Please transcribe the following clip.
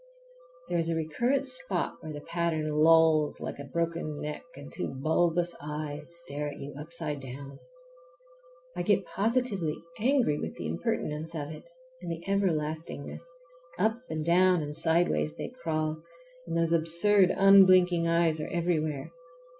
There is a recurrent spot where the pattern lolls like a broken neck and two bulbous eyes stare at you upside down. I get positively angry with the impertinence of it and the everlastingness. Up and down and sideways they crawl, and those absurd, unblinking eyes are everywhere.